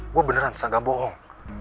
gue beneran sa ga bohong